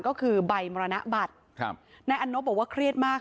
ก็คือใบมรณบัตรครับนายอันนบบอกว่าเครียดมาก